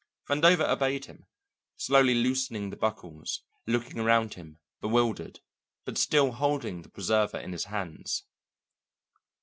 Vandover obeyed him, slowly loosening the buckles, looking around him, bewildered, but still holding the preserver in his hands.